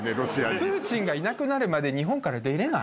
プーチンがいなくなるまで日本から出れない。